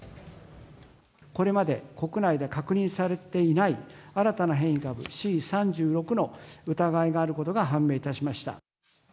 これまで国内で確認されていない新たな変異株、Ｃ３６の疑いがあることが判明いたしました。